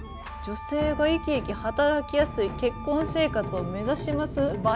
女性がイキイキ働きやすい結婚生活を目指します」？